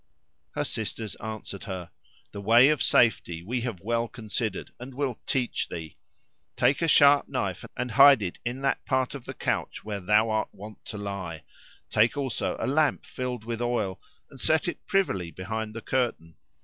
Her sisters answered her, "The way of safety we have well considered, and will teach thee. Take a sharp knife, and hide it in that part of the couch where thou art wont to lie: take also a lamp filled with oil, and set it privily behind the curtain.